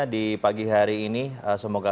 di pagi hari ini semoga